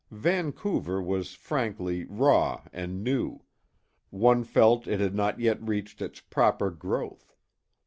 Vancouver was frankly raw and new; one felt it had not yet reached its proper growth.